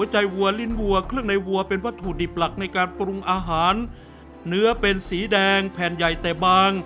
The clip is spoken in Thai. หลักในการปรุงอาหารเนื้อเป็นสีแดงแผ่นใหญ่แต่บาง